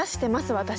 私。